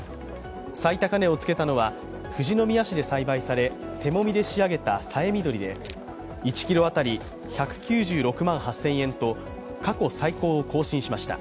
最高値をつけたのは富士宮市で栽培され手もみで仕上げたさえみどりで、１ｋｇ当たり１９６万８０００円と過去最高を更新しました。